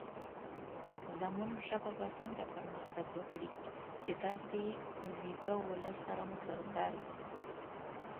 زمونږ ژبه به څنګه پرمختګ وکړې، چې داسې ويده ولس سره مو سروکار وي